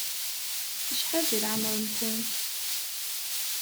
Acḥal di lɛemeṛ-nkent?